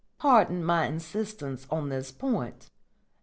Pardon my insistence on this point.